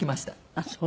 ああそう。